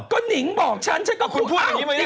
ก็หนิงบอกฉันฉันก็อ้าว